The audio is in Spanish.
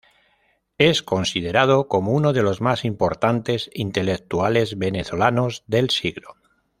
Es considerado como uno de los más importantes intelectuales venezolanos del siglo.